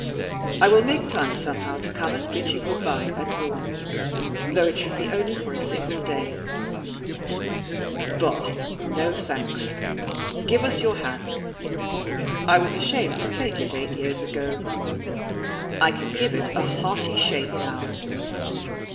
I will make time somehow to come and bid you good by at Rouen, though it should be only for a single day. Bah! no thanks. Give us your hand. I was ashamed to take it eight years ago I can give it a hearty shake now!